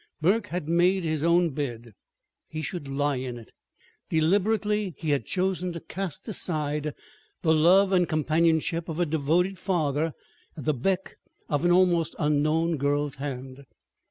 Burke had made his own bed. He should lie in it. Deliberately he had chosen to cast aside the love and companionship of a devoted father at the beck of an almost unknown girl's hand.